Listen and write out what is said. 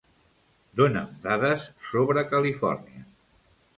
Dona'm dades sobre Califòrnia.